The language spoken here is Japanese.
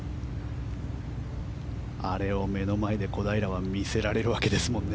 あれを目の前で小平は見せられるわけですからね。